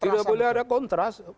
tidak boleh ada kontras